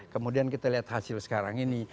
kemudian kita lihat hasil sekarang ini